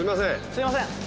すいません。